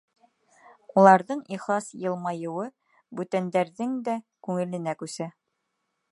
Уларҙың ихлас йылмайыуы бүтәндәрҙең дә күңеленә күсә.